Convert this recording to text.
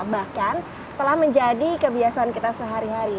bahkan telah menjadi kebiasaan kita sehari hari